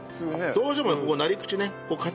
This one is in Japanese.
どうしてもここなり口ね硬いですね。